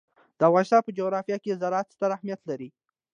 د افغانستان په جغرافیه کې زراعت ستر اهمیت لري.